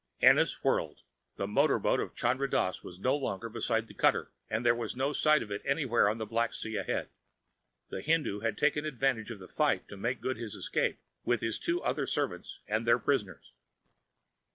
Ennis whirled. The motor boat of Chandra Dass was no longer beside the cutter, and there was no sight of it anywhere on the black sea ahead. The Hindoo had taken advantage of the fight to make good his escape with his two other servants and their prisoners.